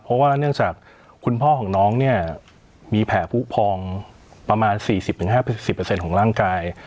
เพราะว่าเนื่องจากคุณพ่อของน้องเนี้ยมีแผลผู้พองประมาณสี่สิบถึงห้าสิบเปอร์เซ็นต์ของร่างกาย